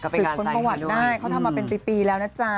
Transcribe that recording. ค้นประวัติได้เขาทำมาเป็นปีแล้วนะจ๊ะ